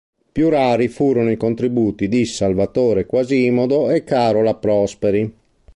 Più rari furono i contributi di Salvatore Quasimodo e Carola Prosperi.